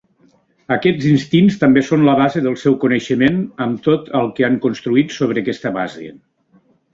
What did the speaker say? Aquests instints també són la base del seu coneixement amb tot el que han construït sobre aquesta base.